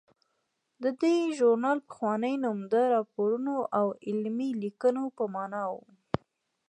د دې ژورنال پخوانی نوم د راپورونو او علمي لیکنو په مانا و.